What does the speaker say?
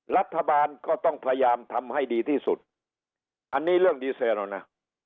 รัฐบาลก็ต้องพยายามทำให้ดีที่สุดอันนี้เรื่องดีเซลแล้วนะ